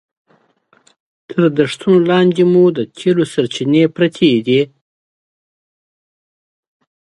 د دښتو لاندې مو د تېلو سرچینې پرتې دي.